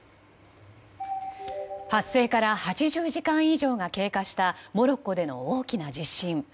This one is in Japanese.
発生から８０時間以上が経過したモロッコでの大きな地震。